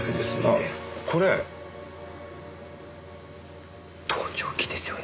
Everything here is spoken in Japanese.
あこれ盗聴器ですよね？